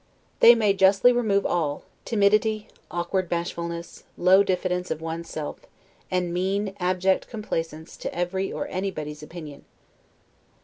They may justly remove all, timidity, awkward bashfulness, low diffidence of one's self, and mean abject complaisance to every or anybody's opinion.